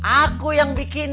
aku yang bikinnya